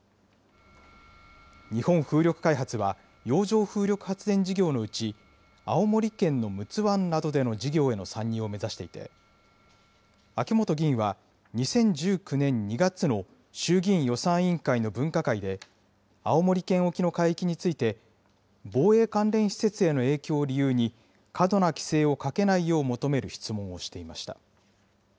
日本風力開発は、洋上風力発電事業のうち、青森県陸奥湾などでの事業への参入を目指していて、秋本議員は、２０１９年２月の衆議院予算委員会の分科会で青森県沖の海域について、防衛関連施設への影響を理由に、過度な規制をかけないよう求める質問をしていました。